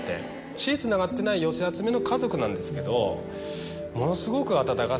血つながってない寄せ集めの家族なんですけど。